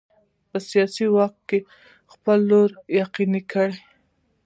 په سیاسي واک کې خپل رول یقیني کړي.